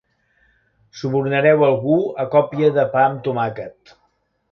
Subornareu algú a còpia de pa amb tomàquet.